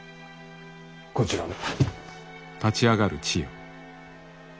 こちらも。